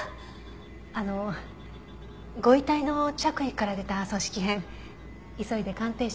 あのご遺体の着衣から出た組織片急いで鑑定してもらえると。